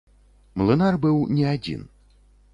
Млынар быў не адзін.